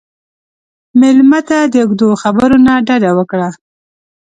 مېلمه ته د اوږدو خبرو نه ډډه وکړه.